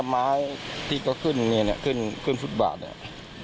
แล้วก็ไม้ที่ก็ขึ้นอันนี้เนี่ยคือฟุตบาทเนี่ย